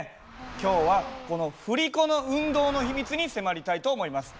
今日はこの振り子の運動の秘密に迫りたいと思います。